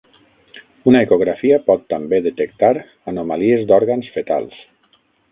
Una ecografia pot també detectar anomalies d"òrgans fetals.